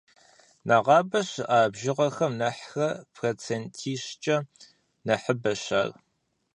Нэгъабэ щыӏа бжыгъэхэм нэхърэ процентищкӏэ нэхъыбэщ ар.